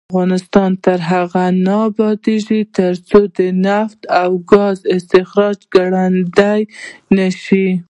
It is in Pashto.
افغانستان تر هغو نه ابادیږي، ترڅو د نفتو او ګازو استخراج ګړندی نشي.